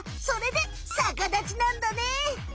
それで逆立ちなんだね。